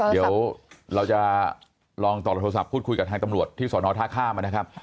เดี๋ยวเราจะลองตอบแล้วโทรศัพท์พูดคุยกับทางตำรวจที่สนธุ์ฐาค่ามานะครับ